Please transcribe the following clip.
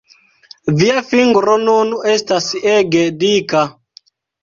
Via fingro nun estas ege dika!